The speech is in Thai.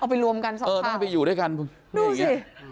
เอาไปรวมกันสองข้าวเออต้องไปอยู่ด้วยกันดูสิ